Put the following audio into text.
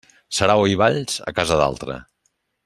Sarau i balls, a casa d'altre.